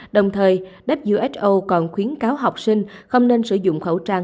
đồng thời who còn khuyến cáo học sinh không nên sử dụng khẩu trang